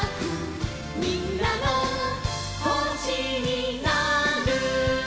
「みんなのほしになる」